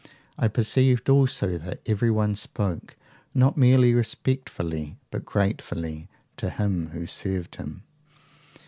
I perceived also that everyone spoke not merely respectfully, but gratefully, to him who served him.